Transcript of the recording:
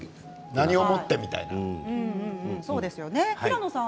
何をもってみたいなね。